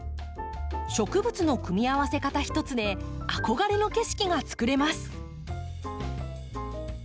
植物の組み合わせ方一つで憧れの景色がつくれます。